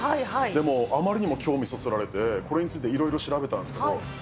でもあまりにも興味そそられて、これについていろいろ調べたんですけど。